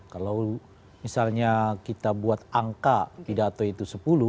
kalau misalnya kita buat angka pidato itu sepuluh